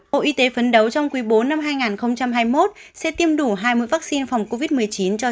bộ y tế phấn đấu trong quý bốn năm hai nghìn hai mươi một sẽ tiêm đủ hai mươi vaccine phòng covid một mươi chín cho chín mươi năm